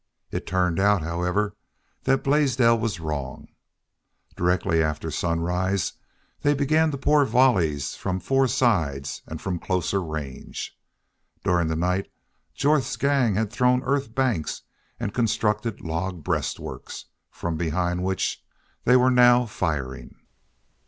It turned out, however, that Blaisdell was wrong. Directly after sunrise they began to pour volleys from four sides and from closer range. During the night Jorth's gang had thrown earth banks and constructed log breastworks, from behind which they were now firing.